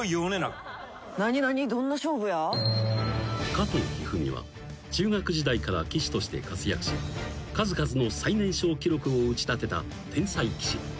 ［加藤一二三は中学時代から棋士として活躍し数々の最年少記録を打ち立てた天才棋士］